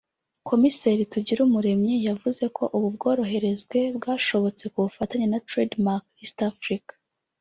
Komiseri Tugirumuremyi yavuze ko ubu bworoherezwe bwashobotse ku bufatanye na “Trade Mark East Africa”